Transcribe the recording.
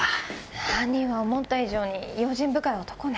犯人は思った以上に用心深い男ね。